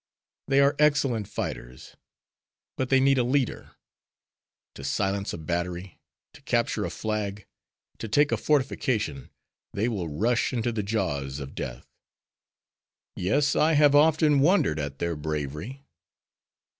They are excellent fighters, but they need a leader. To silence a battery, to capture a flag, to take a fortification, they will rush into the jaws of death." "Yes, I have often wondered at their bravery."